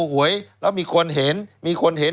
หวยแล้วมีคนเห็นมีคนเห็น